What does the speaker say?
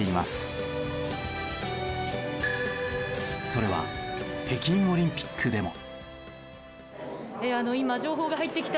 それは北京オリンピックでも。